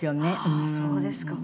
ああーそうですか。